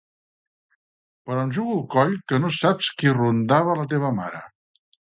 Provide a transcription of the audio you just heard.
Però em jugo el coll que no saps qui rondava la teva mare.